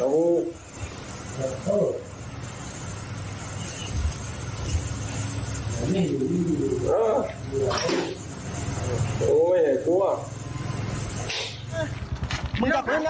มันจากปืนมันวางปืนนะวางปืนนะมิ่กเราวางปืนไม่ต้องเดี่ยว